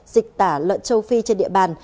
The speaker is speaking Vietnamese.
dịch tả lợn châu phi trên địa bàn